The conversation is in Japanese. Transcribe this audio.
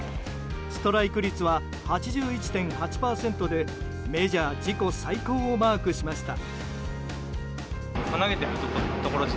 ストライク率は８１．８％でメジャー自己最高をマークしました。